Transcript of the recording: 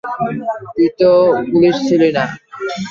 তুই তো পুলিশ ছিলি না।